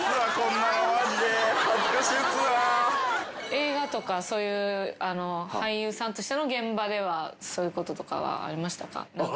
映画とかそういう俳優さんとしての現場ではそういうこととかはありましたか？